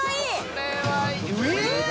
これはいいえっ！